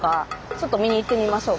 ちょっと見に行ってみましょう。